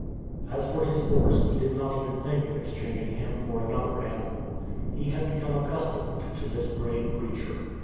As for his horse, he did not even think of exchanging him for another animal. He had become accustomed to this brave creature.